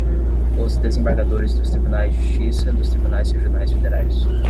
os desembargadores dos Tribunais de Justiça, dos Tribunais Regionais Federais